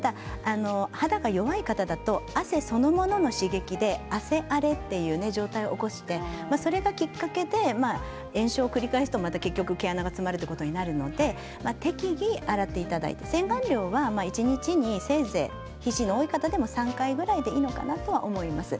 肌が弱い方だと汗そのものの刺激で汗荒れという状態を起こして、それがきっかけで炎症を繰り返したまった毛穴が詰まるということになるので適宜、洗っていただいて洗顔料は一日にせいぜい皮脂の多い方でも３回くらいでいいのかなと思います。